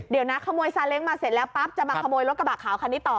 เดี๋ยวนะขโมยซาเล้งมาเสร็จแล้วปั๊บจะมาขโมยรถกระบะขาวคันนี้ต่อ